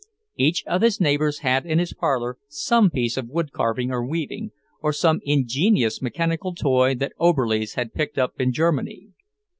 Each of his neighbours had in his parlour some piece of woodcarving or weaving, or some ingenious mechanical toy that Oberlies had picked up in Germany.